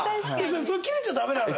それキレちゃダメなのよ。